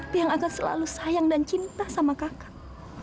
yang akan selalu sayang dan cinta sama kakak